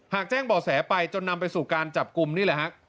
แจ้งบ่อแสไปจนนำไปสู่การจับกลุ่มนี่แหละฮะ